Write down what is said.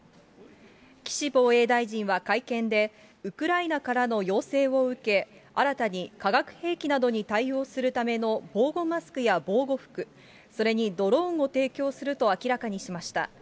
岸防衛大臣は会見で、ウクライナからの要請を受け、新たに化学兵器などに対応するための防護マスクや防護服、それにドローンを提供すると明らかにしました。